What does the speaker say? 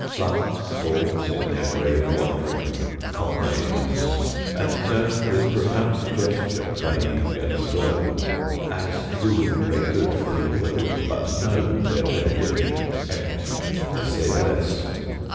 Some pause in their grave wandering comradeless, And turn with profound gesture vague and slow, As who would pray good for the world, but know Their benediction empty as they bless.